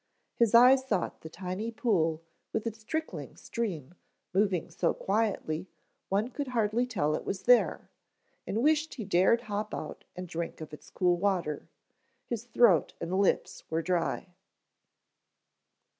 His eyes sought the tiny pool with its trickling stream moving so quietly one could hardly tell it was there, and wished he dared hop out and drink of its cool water. His throat and lips were dry.